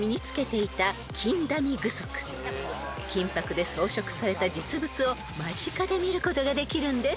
［金箔で装飾された実物を間近で見ることができるんです］